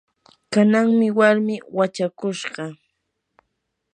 kananmi warmii wachakushqa.